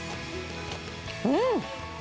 うん！